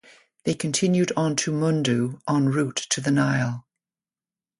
They continued on to Mundu en route to the Nile.